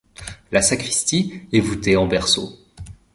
La sacristie est voûtée en berceau.